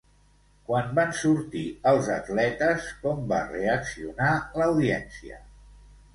Quan van sortir els atletes, com va reaccionar l'audiència?